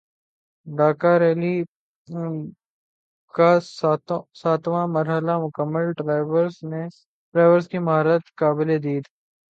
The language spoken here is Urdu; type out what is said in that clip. ڈاکارریلی کا ساتواں مرحلہ مکمل ڈرائیورز کی مہارت قابل دید